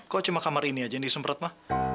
kok cuma kamar ini aja yang disemprot mah